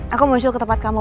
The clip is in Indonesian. aku mau jual ke tempat kamu